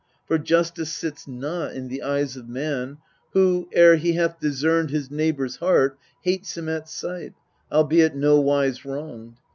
For justice sits not in the eyes of man, Who, ere he hath discerned his neighbour's heart, Hates him at sight, albeit nowise wronged.